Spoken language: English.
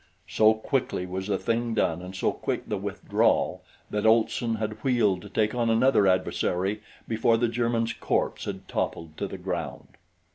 So quickly was the thing done and so quick the withdrawal that Olson had wheeled to take on another adversary before the German's corpse had toppled to the ground.